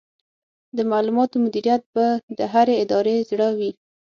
د معلوماتو مدیریت به د هرې ادارې زړه وي.